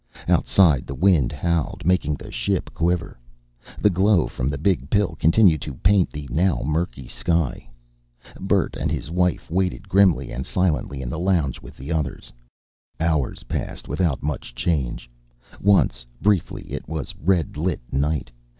Outside, the wind howled, making the ship quiver. The glow from the Big Pill continued to paint the now murky sky. Bert and his wife waited grimly and silently in the lounge with the others. Hours passed without much change. Once, briefly, it was red lit night.